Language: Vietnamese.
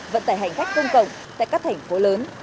vận tải hành khách công cộng tại các thành phố lớn